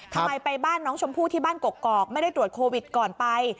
ทำไมไปบ้านน้องชมพู่ที่บ้านกกอกไม่ได้ตรวจโควิดก่อนไป